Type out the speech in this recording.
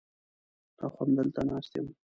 لا خو همدلته ناست یم.